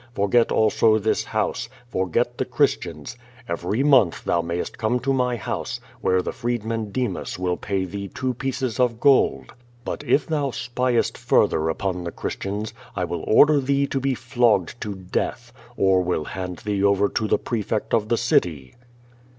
Forgot also this house, forgot the Christians. Every month thou mayost oonio to my house, where the freedman Demas will pay thee two pieces of gold. But if thou spyest further Qi'O VADJS. 257 upon tlic Christians, 1 will order thee to be flogged to death, or will liand thee over to the prefect of the city."